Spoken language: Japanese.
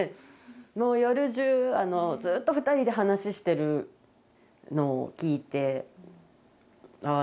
もう夜じゅうずっと２人で話してるのを聞いてああ